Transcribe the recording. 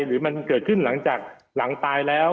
หรือมันเกิดขึ้นหลังจากหลังตายแล้ว